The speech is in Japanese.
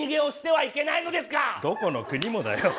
どこの国もだよ！